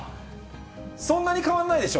そんなに変わんないでしょ？